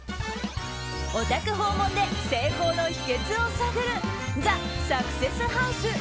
お宅訪問で成功の秘訣を探るＴＨＥサクセスハウス！